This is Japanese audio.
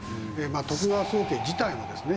徳川宗家自体もですね